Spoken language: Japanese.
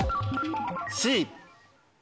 Ｃ。